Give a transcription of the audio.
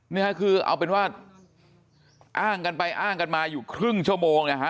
นี่ค่ะคือเอาเป็นว่าอ้างกันไปอ้างกันมาอยู่ครึ่งชั่วโมงนะฮะ